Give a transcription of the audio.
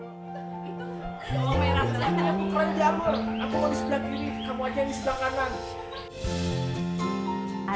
dan juga untuk mengembangkan mereka